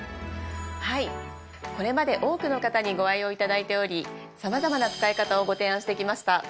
はいこれまで多くの方にご愛用いただいておりさまざまな使い方をご提案して来ました。